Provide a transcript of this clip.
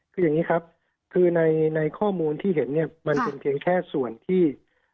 คืออย่างนี้ครับคือในข้อมูลที่เห็นเนี่ยมันเป็นเพียงแค่ส่วนที่